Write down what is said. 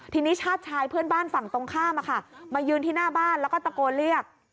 ทีนี้ชาติชายเพื่อนบ้านฝั่งตรงข้ามมายืนที่หน้าบ้านแล้วก็ตะโกนเรียก